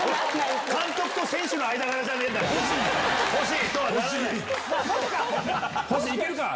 監督と選手の間柄じゃねえんだから。